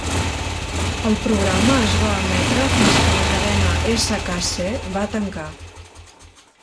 El programa es va emetre fins que la cadena SKC va tancar.